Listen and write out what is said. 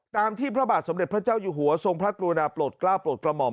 ตามที่พระบาทสมเด็จพระเจ้าอยู่หัวทรงพระกรุณาโปรดกล้าโปรดกระหม่อม